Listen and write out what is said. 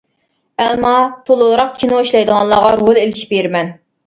ئەمما تولىراق كىنو ئىشلەيدىغانلارغا رول ئېلىشىپ بېرىمەن.